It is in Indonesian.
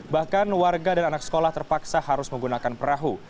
bahkan warga dan anak sekolah terpaksa harus menggunakan perahu